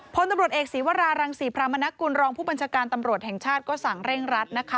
พลตำรวจเอกศีวรารังศรีพรามนกุลรองผู้บัญชาการตำรวจแห่งชาติก็สั่งเร่งรัดนะคะ